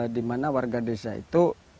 di mana warga desa itu